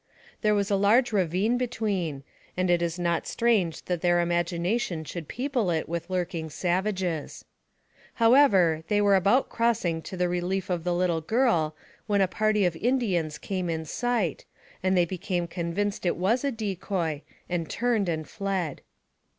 There was a large ravine between, and it is not strange that their imagination should people it with lurking savages. However, they were about crossing to the relief of the little girl, when a party of Indians came in sight, and they became convinced it was a decoy, and turned and fled.